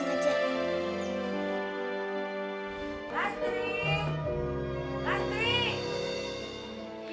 eh mak silahkan duduk mak